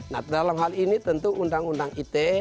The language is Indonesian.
nah dalam hal ini tentu undang undang ite